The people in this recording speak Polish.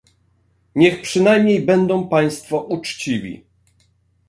Niech przynajmniej będą państwo uczciwi